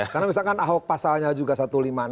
karena misalkan ahok pasalnya juga satu ratus lima puluh enam a